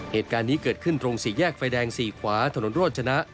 เหตุการณ์นี้เกิดขึ้นตรงสี่แยกไฟแดง๔ขวาถนนโรชนะ